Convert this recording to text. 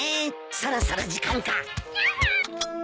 そろそろ時間か。